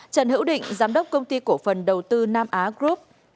trần hữu định giám đốc công ty cổ phần đầu tư nam á group